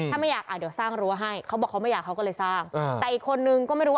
ถ้าไม่อยากอ่ะเดี๋ยวสร้างรั้วให้เขาบอกเขาไม่อยากเขาก็เลยสร้างอ่าแต่อีกคนนึงก็ไม่รู้ว่า